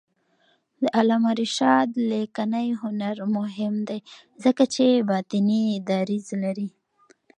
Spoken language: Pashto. د علامه رشاد لیکنی هنر مهم دی ځکه چې باطني دریځ لري.